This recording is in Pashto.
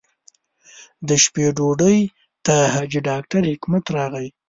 د شپې ډوډۍ ته حاجي ډاکټر حکمت راغی.